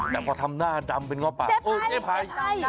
แต่พอทำหน้าดำเป็นง้อปากโอ้เจ๊ภัย